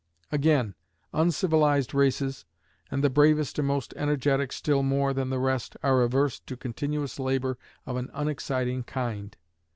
Again, uncivilized races, and the bravest and most energetic still more than the rest, are averse to continuous labor of an unexciting kind.